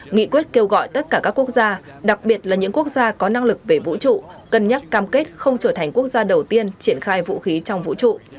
nghị quyết kêu gọi tất cả các quốc gia đặc biệt là những quốc gia có năng lực về vũ trụ cân nhắc cam kết không trở thành quốc gia đầu tiên triển khai vũ khí trong vũ trụ